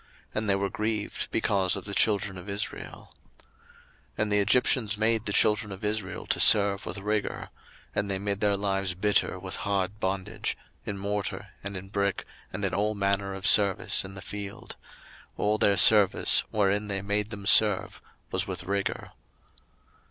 And they were grieved because of the children of Israel. 02:001:013 And the Egyptians made the children of Israel to serve with rigour: 02:001:014 And they made their lives bitter with hard bondage, in morter, and in brick, and in all manner of service in the field: all their service, wherein they made them serve, was with rigour.